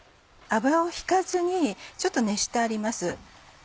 油を引かずにちょっと熱してあります。